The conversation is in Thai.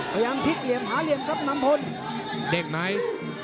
พยายามพลิกเหลี่ยมหาเหลี่ยมครับนำพลเด็กไหน